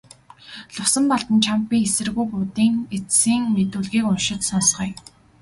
Лувсанбалдан чамд би эсэргүү Будын эцсийн мэдүүлгийг уншиж сонсгоё.